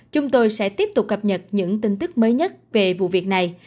chúng tôi sẽ tiếp tục cập nhật những tin tức mới nhất về vụ việc này